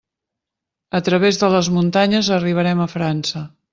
A través de les muntanyes arribarem a França.